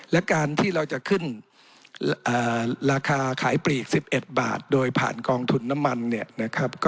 และการที่เราจะขึ้นราคาขายปลีก๑๑บาทโดยผ่านกองทุนน้ำมัน